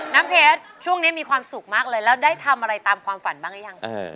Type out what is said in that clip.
น้ำเพชรช่วงนี้มีความสุขมากเลยแล้วได้ทำอะไรตามความฝันบ้างหรือยัง